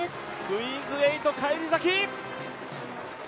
クイーンズ８返り咲き！